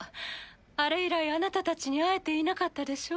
あれ以来あなたたちに会えていなかったでしょ？